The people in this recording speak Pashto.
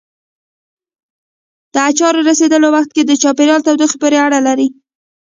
د اچارو رسېدلو وخت د چاپېریال تودوخې پورې اړه لري.